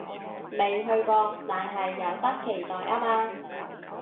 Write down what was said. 未去過，但係有得期待吖嘛